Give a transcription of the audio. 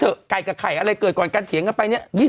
ไก่กับไข่อะไรเกิดก่อนการเถียงกันไปเนี่ย